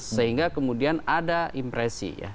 sehingga kemudian ada impresi ya